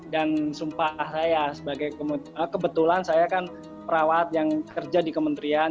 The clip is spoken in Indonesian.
dan sumpah saya kebetulan saya kan perawat yang kerja di kementerian